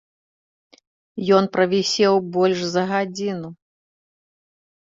Ён правісеў больш за гадзіну.